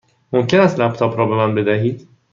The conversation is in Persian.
ممکن است لپ تاپ را به من بدهید؟